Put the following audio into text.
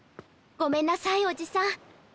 ごめんなさいおじさん。